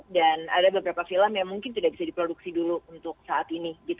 dan ada beberapa film yang mungkin tidak bisa diproduksi dulu untuk saat ini